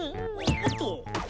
おっと！